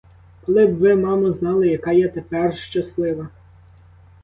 Коли б ви, мамо, знали, яка я тепер щаслива!